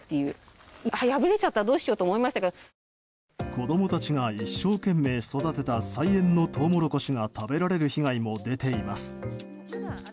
子供たちが一生懸命育てた菜園のトウモロコシが食べられる被害も出ています。